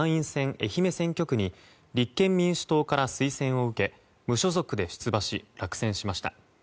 愛媛選挙区に立憲民主党から推薦を受け無所属で出馬し落選しました。